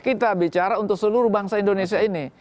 kita bicara untuk seluruh bangsa indonesia ini